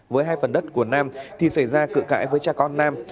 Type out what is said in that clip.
với hai phần đất của nam thì xảy ra cự cãi với cha con nam